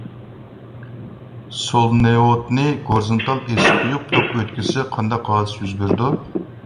سولېنوئىدنى گورىزونتال ئېسىپ قويۇپ توك ئۆتكۈزسەك قانداق ھادىسە يۈز بېرىدۇ؟